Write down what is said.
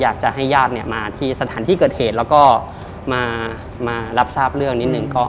อยากจะให้ญาติมาที่สถานที่เกิดเหตุแล้วก็มารับทราบเรื่องนิดนึง